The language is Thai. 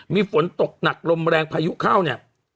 มีฝนตกหนักลมแรงพายุเข้าเนี่ย